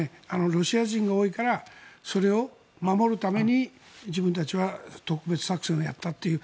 ロシア人が多いからそれを守るために自分たちは特別作戦をやったという。